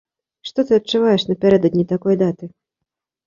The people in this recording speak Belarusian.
Што ты адчуваеш напярэдадні такой даты?